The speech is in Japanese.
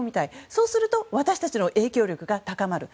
そうすると私たちの影響力が高まる。